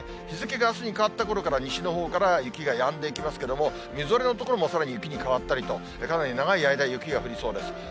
日付があすに変わったころから、西のほうから雪がやんでいきますけれども、みぞれの所もさらに雪に変わったりと、かなり長い間、雪が降りそうです。